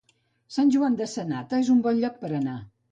Sant Joan de Sanata és un bon lloc per anar.